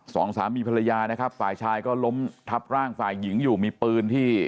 สองสามีภรรยานะครับฝ่ายชายก็ล้มทับร่างฝ่ายหญิงอยู่มีปืนที่